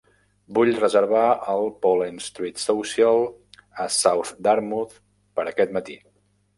Vull reservar el Pollen Street Social a South Dartmouth per a aquest matí.